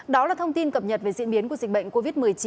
đó là thông tin cập nhật về diễn biến của dịch bệnh covid một mươi chín